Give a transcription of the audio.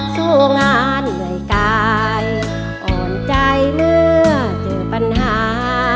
สู้งานเหนื่อยกายอ่อนใจเมื่อเจอปัญหา